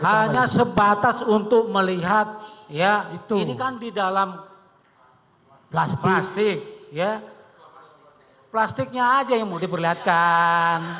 hanya sebatas untuk melihat ya ini kan di dalam plastiknya aja yang mau diperlihatkan